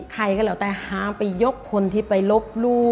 ใครก็แล้วแต่ห้ามไปยกคนที่ไปลบลู่